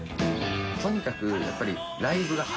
とにかくやっぱり。